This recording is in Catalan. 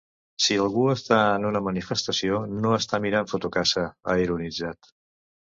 Si algú està en una manifestació, no està mirant Fotocasa, ha ironitzat.